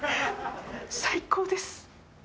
最高です。